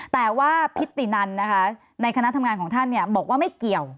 แต่ว่าพิตินันนะคะในคณะทำงานของท่านบอกว่าไม่เกี่ยว